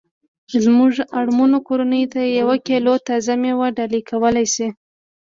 زمونږ اړمنو کورنیوو ته یوه کیلو تازه میوه ډالۍ کولای شي